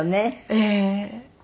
ええ。